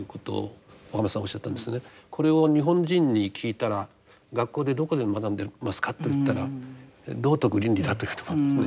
これを日本人に聞いたら学校でどこで学んでますかと言ったら道徳・倫理だと言うと思うんですね。